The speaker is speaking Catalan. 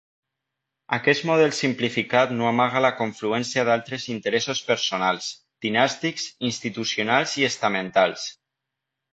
Aquest model simplificat no amaga la confluència d'altres interessos personals, dinàstics, institucionals i estamentals.